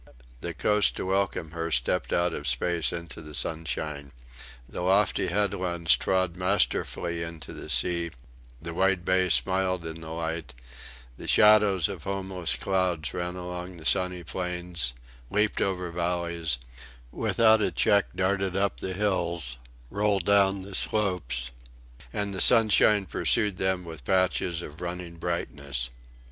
The coast to welcome her stepped out of space into the sunshine. The lofty headlands trod masterfully into the sea; the wide bays smiled in the light; the shadows of homeless clouds ran along the sunny plains, leaped over valleys, without a check darted up the hills, rolled down the slopes; and the sunshine pursued them with patches of running brightness.